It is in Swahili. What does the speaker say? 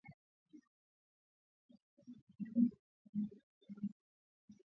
ni kuwa hapa Marondera, ujio wake unatosha